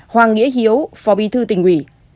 hoàng nghĩa hiếu phó bí thư tỉnh quỷ